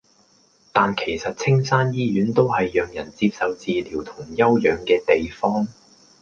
但其實青山醫院都係讓人接受治療同休養嘅地方